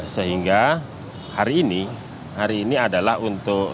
sehingga hari ini hari ini adalah untuk